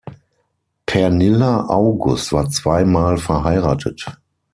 Pernilla August war zwei Mal verheiratet.